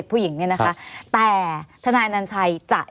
หรือว่าแม่ของสมเกียรติศรีจันทร์